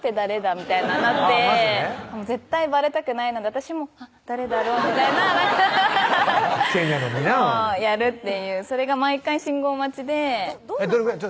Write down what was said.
みたいになって絶対ばれたくないので私も誰だろうみたいなちぇんやのになぁそれが毎回信号待ちでどれぐらい？